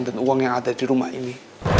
uang yang ada di rumah ini